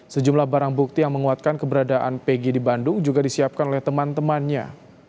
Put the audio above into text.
sejumlah barang bukti yang menguatkan keberadaan pg di bandung juga disiapkan oleh teman temannya